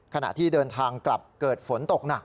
ขณะที่เดินทางกลับเกิดฝนตกหนัก